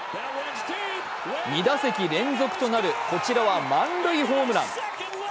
２打席連続となるこちらは満塁ホームラン。